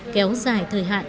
kéo dài thời hạn